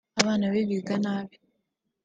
abana be biga nabi